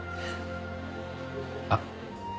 あっ！